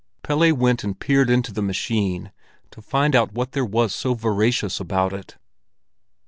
Pelle went and peered into the machine to find out what there was so voracious about it.